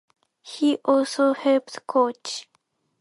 He also helped coach.